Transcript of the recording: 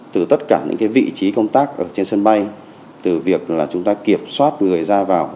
từ tất cả những vị trí công tác ở trên sân bay từ việc là chúng ta kiểm soát người ra vào